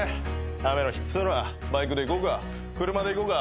雨の日っつうのはバイクで行こうか車で行こうか。